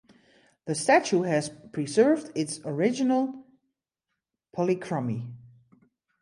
The statue has preserved its original polychromy.